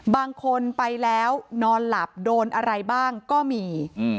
บางคนไปแล้วนอนหลับโดนอะไรบ้างก็มี